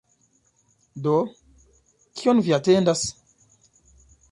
Do, kion vi atendas?